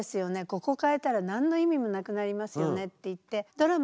ここ変えたら何の意味もなくなりますよねって言ってプッシュ。